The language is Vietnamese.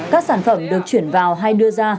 các sản phẩm được chuyển vào hay đưa ra